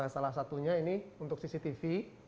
salah satunya ini untuk cctv